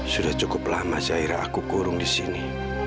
sudah cukup lama zaira aku kurung di sini